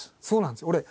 そうなんですよ。